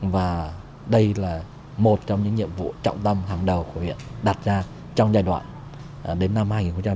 và đây là một trong những nhiệm vụ trọng tâm hàng đầu của huyện đặt ra trong giai đoạn đến năm hai nghìn hai mươi